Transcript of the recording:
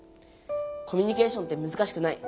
「コミュニケーションってむずかしくない」